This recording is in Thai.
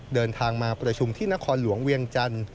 เดินทางมาประชุมที่นครหลวงเวียงจันทร์